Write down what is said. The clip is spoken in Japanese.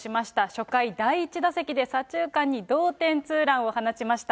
初回、第１打席で左中間に同点ツーランを放ちました。